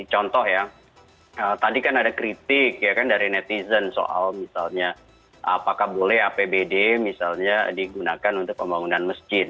contoh ya tadi kan ada kritik ya kan dari netizen soal misalnya apakah boleh apbd misalnya digunakan untuk pembangunan masjid